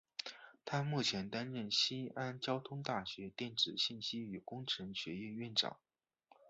他目前担任西安交通大学电子信息与工程学院院长。